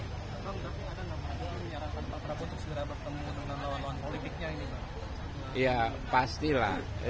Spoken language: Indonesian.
pak prabowo menyarankan pak prabowo untuk segera bertemu dengan lawan lawan politiknya ini pak